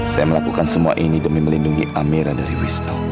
saya melakukan semua ini demi melindungi amirah dari wisnu